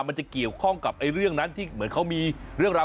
มันจะเกี่ยวข้องกับเรื่องนั้นที่เหมือนเขามีเรื่องราว